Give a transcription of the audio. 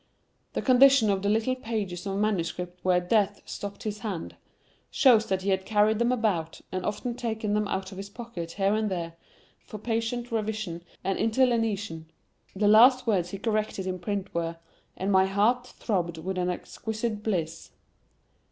The condition of the little pages of manuscript where Death stopped his hand, shows that he had carried them about, and often taken them out of his pocket here and there, for patient revision and interlineation. The last words he corrected in print were, "And my heart throbbed with an exquisite bliss".